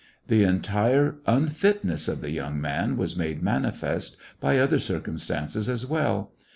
The entire unfitness of the young man was made manifest by other circumstances as well.